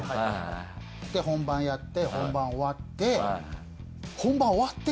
本番やって本番終わって。